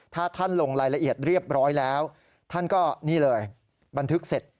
ถ้าท่านลงรายละเอียดเรียบร้อยแล้วท่านก็นี่เลยบันทึกเสร็จ